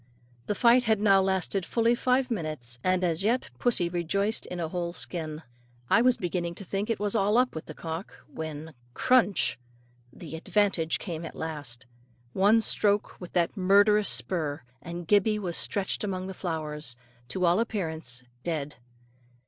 The fight had now lasted fully five minutes, and as yet pussy rejoiced in a whole skin. I was beginning to think it was all up with the cock, when, crunch! the advantage came at last, one stroke with that murderous spur, and Gibbey was stretched among the flowers, to all appearance dead.